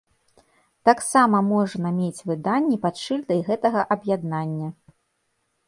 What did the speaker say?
Таксама можна мець выданні пад шыльдай гэтага аб'яднання.